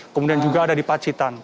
kemudian juga ada di pacitan